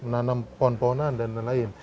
menanam pohon pohonan dan lain lain